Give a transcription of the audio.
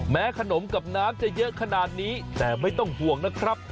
ขนมกับน้ำจะเยอะขนาดนี้แต่ไม่ต้องห่วงนะครับ